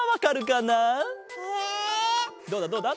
どうだどうだ？